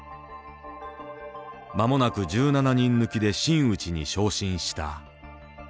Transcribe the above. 間もなく１７人抜きで真打に昇進した。